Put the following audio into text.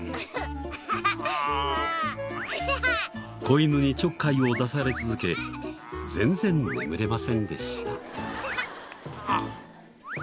子犬にちょっかいを出され続け全然眠れませんでした。